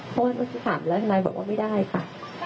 ขอโทษผมถามแล้วท่านลายบอกว่าไม่ได้ค่ะ